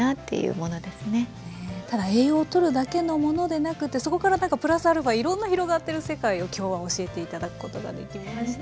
ただ栄養をとるだけのものでなくてそこからプラスアルファいろんな広がってる世界を今日は教えて頂くことができました。